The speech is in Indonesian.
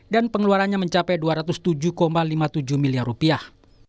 dan pengeluarannya mencapai dua ratus tujuh lima puluh tujuh miliar rupiah